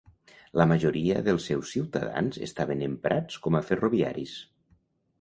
La majoria dels seus ciutadans estaven emprats com a ferroviaris.